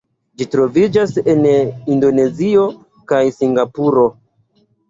Ĝi troviĝas en Indonezio kaj Singapuro.